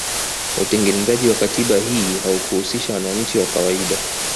Utengenezaji wa katiba hii haukuhusisha wananchi wa kawaida